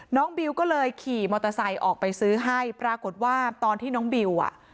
บิวก็เลยขี่มอเตอร์ไซค์ออกไปซื้อให้ปรากฏว่าตอนที่น้องบิวอ่ะ